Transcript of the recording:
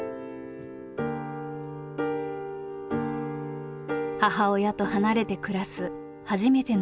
母親と離れて暮らす初めての経験。